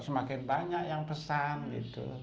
semakin banyak yang pesan gitu